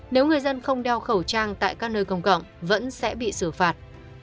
nếu người dân không đeo khẩu trang tại các nơi công cộng vẫn sẽ bị xử phạt